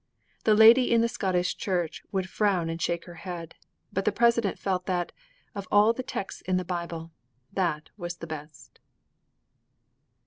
_' The lady in the Scottish church would frown and shake her head, but the President felt that, of all the texts in the Bible, that was the best.